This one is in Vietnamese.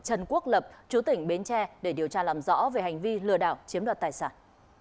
trần quốc lập chủ tỉnh bến tre để điều tra làm rõ về hành vi lừa đảo chiếm đoạt tài sản